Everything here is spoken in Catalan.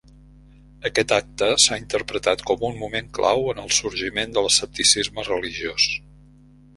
Aquest acte s'ha interpretat com un moment clau en el sorgiment de l'escepticisme religiós.